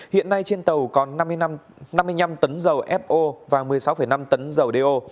hiện nay trên tàu còn năm mươi năm tấn dầu fo và một mươi sáu năm tấn dầu đeo